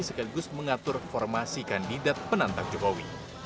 sekaligus mengatur formasi kandidat penantang jokowi